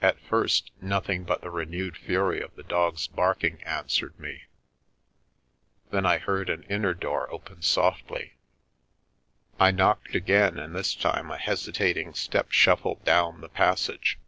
At first, nothing but the renewed fury of the dogs' barking answered me; then I heard an inner door open softly. I knocked 127 The Milky Way again, and this time a hesitating step shuffled down the passage.